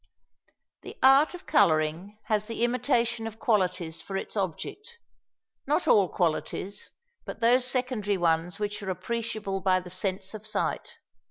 "The art of colouring has the imitation of qualities for its object; not all qualities, but those secondary ones which are appreciable by the sense of sight.